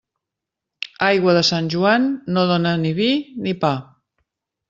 Aigua de Sant Joan, no dóna ni vi ni pa.